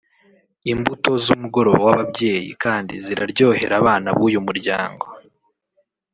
Imbuto z’umugoroba w’ababyeyi kandi ziraryohera abana b’uyu muryango